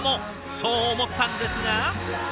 そう思ったんですが。